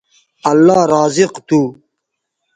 اللہ رازق تھو